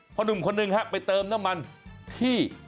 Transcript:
เพราะหนึ่งคนหนึ่งไปเติมน้ำมันที่